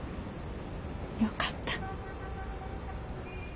よかった。